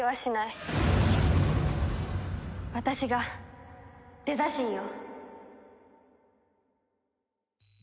私がデザ神よ。